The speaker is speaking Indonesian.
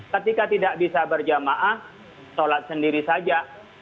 ketika tidak bisa berjamaah sholat sendiri saja